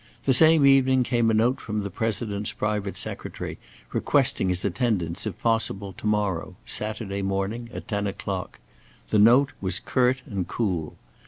The same evening came a note from the President's private secretary requesting his attendance, if possible, to morrow, Saturday morning, at ten o'clock. The note was curt and cool.